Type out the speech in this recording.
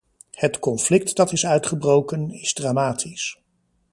Het conflict dat is uitgebroken, is dramatisch.